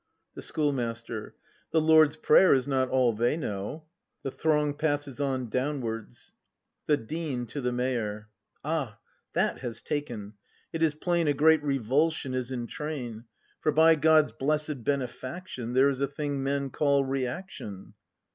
The Schoolmaster. The Lord's Prayer is not all they know. [The throng passes on downwards. The Dean. [To the Mayor.] Ah, that has taken. It is plain A great revulsion is in train; For, by God's blessed benefaction. There is a thing men call Reaction.